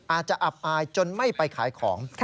อาจจะอับอายจนไม่ไปขายของ